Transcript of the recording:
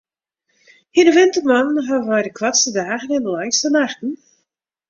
Yn 'e wintermoannen hawwe wy de koartste dagen en de langste nachten.